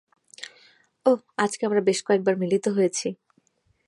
ওহ, আজকে আমরা বেশ কয়েকবার মিলিত হয়েছি!